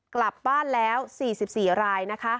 กลับบ้านแล้ว๔๔ราย